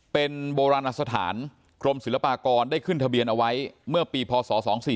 เป็นโบราณสถานกรมศิลปากรได้ขึ้นทะเบียนเอาไว้เมื่อปีพศ๒๔๔